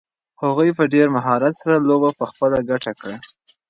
هغوی په ډېر مهارت سره لوبه په خپله ګټه کړه.